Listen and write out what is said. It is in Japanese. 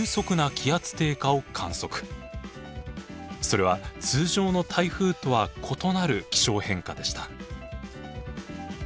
それは通常の台風とは異なる気象変化でした。